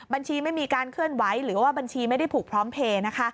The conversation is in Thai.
ไม่มีการเคลื่อนไหวหรือว่าบัญชีไม่ได้ผูกพร้อมเพลย์นะคะ